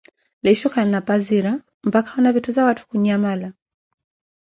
Liisho kalina phazira, mpakha na woona vitthizawatthu kunyamala.